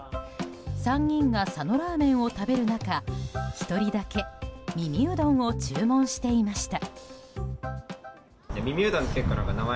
３人が佐野らーめんを食べる中１人だけ耳うどんを注文していました。